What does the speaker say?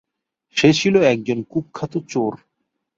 সে ছিল একজন কুখ্যাত চোর।